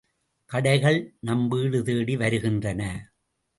கடைகள் நம் வீடு தேடி வருகின்றன.